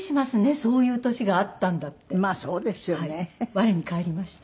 我に返りました。